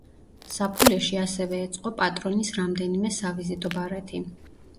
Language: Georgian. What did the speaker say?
საფულეში ასევე ეწყო პატრონის რამდენიმე სავიზიტო ბარათი.